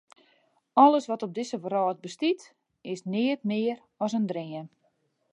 Alles wat op dizze wrâld bestiet, is neat mear as in dream.